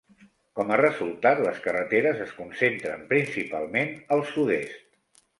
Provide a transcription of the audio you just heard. Com a resultat, les carreteres es concentren principalment al sud-est.